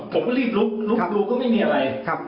ผมก็รีบลุกลุกดูก็ไม่มีอะไรครับ